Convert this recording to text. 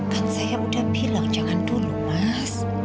kan saya udah bilang jangan dulu mas